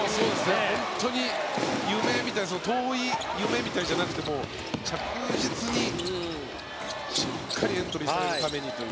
本当に夢みたい遠い夢みたいじゃなくて着実にしっかりエントリーしていくためにという。